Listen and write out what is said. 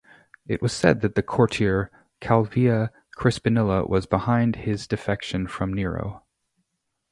It was said that the courtier Calvia Crispinilla was behind his defection from Nero.